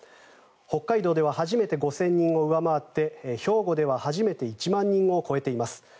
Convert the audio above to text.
北海道では初めて５０００人を上回って兵庫では初めて１万人を超えています。